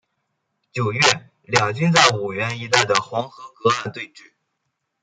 九月两军在五原一带的黄河隔岸对峙。